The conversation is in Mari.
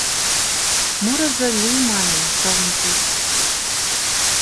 Мурызо лий манын, сылне кечын